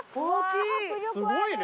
すごいね。